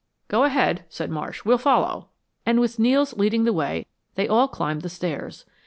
"Go ahead," said Marsh, "we'll follow," and with Nels leading the way they all climbed the stairs.